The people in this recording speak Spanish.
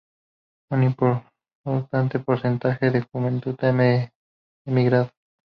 Un importante porcentaje de la juventud ha emigrado.